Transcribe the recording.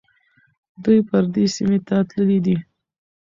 دوی پردي سیمې ته تللي دي.